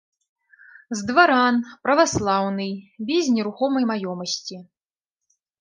З дваран, праваслаўны, без нерухомай маёмасці.